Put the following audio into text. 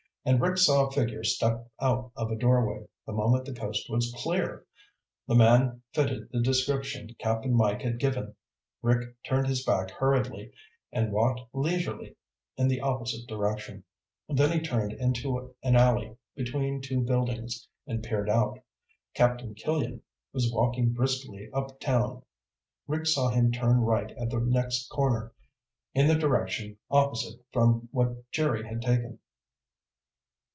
And Rick saw a figure step out of a doorway the moment the coast was clear! The man fitted the description Cap'n Mike had given. Rick turned his back hurriedly and walked leisurely in the opposite direction. Then he turned into an alley between two buildings and peered out. Captain Killian was walking briskly uptown. Rick saw him turn right at the next corner, in the direction opposite from that Jerry had taken.